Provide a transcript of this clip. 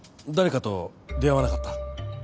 誰かと出会わなかった？